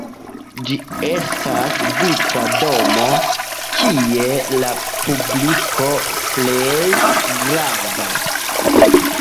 Ĝi estas vitra domo, kie la publiko plej gravas.